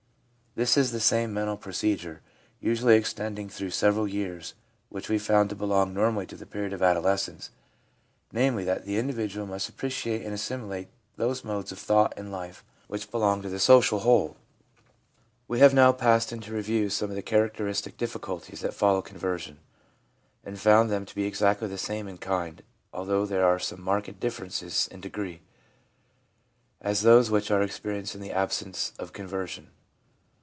This is the same mental procedure, usually extending through several years, which we found to belong normally to the period of adolescence, namely, that the individual must appre ciate and assimilate * those modes of thought and life which belong to the social whole. We have now passed in review some of the charac teristic difficulties that follow conversion, and found them to be exactly the same in kind, although there are some marked differences in degree, as those which are experienced in the absence of conversion.